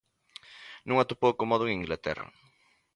Non atopou acomodo en Inglaterra.